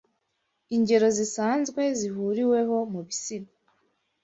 Ingero Zisanzwe Zihuriweho Mubisigo